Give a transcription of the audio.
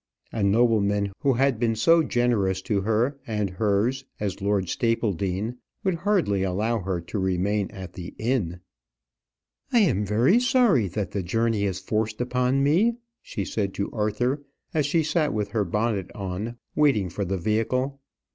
A nobleman who had been so generous to her and hers as Lord Stapledean would hardly allow her to remain at the inn. "I am very sorry that the journey is forced upon me," she said to Arthur, as she sat with her bonnet on, waiting for the vehicle.